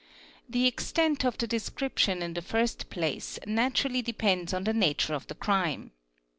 at The extent of the description in the first place naturally depends on ie nature of the crime.